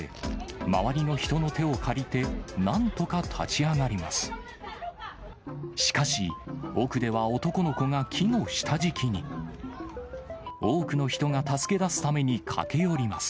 周りの人の手を借りて、なんとか立ち上がります。